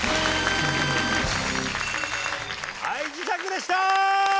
はい磁石でした！